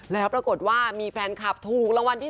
แล้วปรากฏว่ามีแฟนคลับถูกรางวัลที่๑